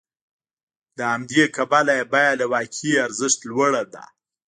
له همدې کبله یې بیه له واقعي ارزښت لوړه ده